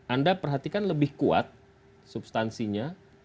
anda perhatikan lebih kuat substansinya